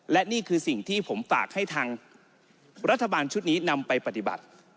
และนี่คือสิ่งที่ผมฝากให้ทางรัฐบาลชุดนี้นำไปปฏิบัติ